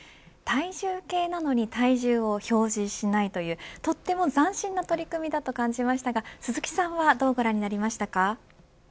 体重計なのに体重を表示しないというとっても斬新な取り組みだと感じましたが鈴木さんはどうご覧になりましたか。